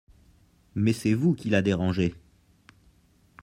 Mais c’est vous qu’il a dérangé.